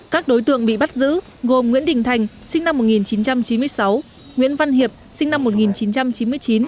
các đối tượng bị bắt giữ gồm nguyễn đình thành sinh năm một nghìn chín trăm chín mươi sáu nguyễn văn hiệp sinh năm một nghìn chín trăm chín mươi chín